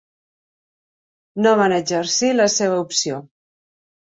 No van exercir la seva opció.